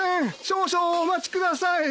少々お待ちください！